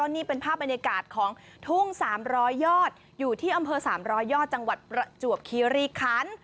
มีภาพบรรยากาศของทุ่งคอยู่ที่๓๐๐ยจังหวัดประจวบครีริขั้น